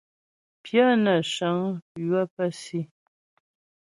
Pyə nə́ shəŋ ywə pə́ si.